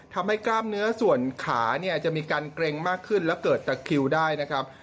กล้ามเนื้อส่วนขาเนี่ยจะมีการเกร็งมากขึ้นแล้วเกิดตะคิวได้นะครับ